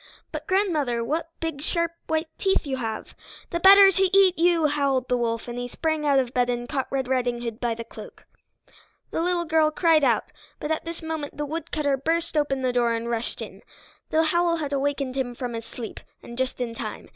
"But, grandmother, what big sharp white teeth you have!" "+The better to eat you!+" howled the wolf, and he sprang out of bed and caught Red Riding Hood by the cloak. The little girl cried out, but at this moment the woodcutter burst open the door and rushed in. The howl had awakened him from his sleep, and just in time.